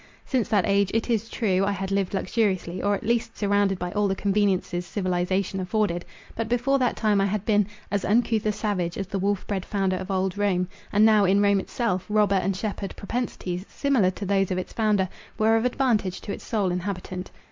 Since that age, it is true, I had lived luxuriously, or at least surrounded by all the conveniences civilization afforded. But before that time, I had been "as uncouth a savage, as the wolf bred founder of old Rome"—and now, in Rome itself, robber and shepherd propensities, similar to those of its founder, were of advantage to its sole inhabitant.